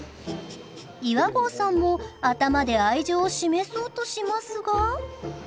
岩合さんも頭で愛情を示そうとしますが。